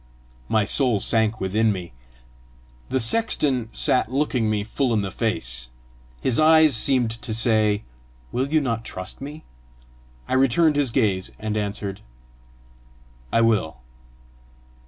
My soul sank within me. The sexton sat looking me in the face. His eyes seemed to say, "Will you not trust me?" I returned his gaze, and answered, "I will."